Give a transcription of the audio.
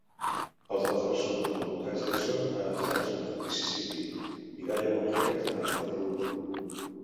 Els altres són el volcà Jackson a Jackson, Mississippi i Diamond Head a Honolulu.